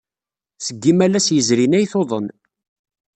Seg yimalas yezrin ay tuḍen.